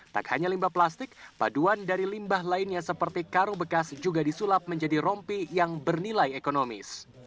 tak hanya limbah plastik paduan dari limbah lainnya seperti karung bekas juga disulap menjadi rompi yang bernilai ekonomis